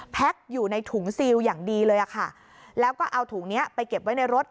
อยู่ในถุงซิลอย่างดีเลยอะค่ะแล้วก็เอาถุงเนี้ยไปเก็บไว้ในรถ